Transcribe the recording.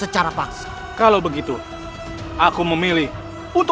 baiklah kalau itu mau